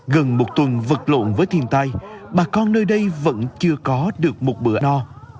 gần một tuần vật lộn với thiên tai bà con nơi đây vẫn chưa có được một bữa no